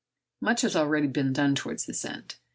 Much has already been done towards this end.